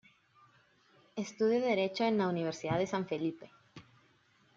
Estudió derecho en la Universidad de San Felipe.